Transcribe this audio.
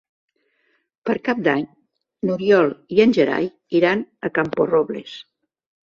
Per Cap d'Any n'Oriol i en Gerai iran a Camporrobles.